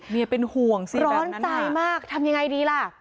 เมียเป็นห่วงสิแบบนั้นร้อนใจมากทำยังไงดีล่ะ